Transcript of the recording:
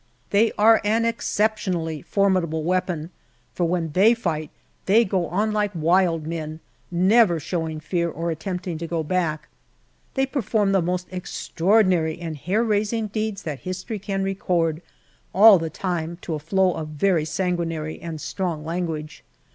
They are an exceptionally formidable weapon, for when they fight they go on like wild men, never showing fear or attempting to go back. They perform the most extra ordinary and hair raising deeds that history can record, all the time to a flow of very sanguinary and strong language.